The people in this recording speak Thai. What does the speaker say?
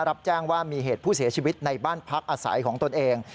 รับแจ้งว่ามีเหตุผู้เสียชีวิตในบ้านพักอาศัยของตนเอง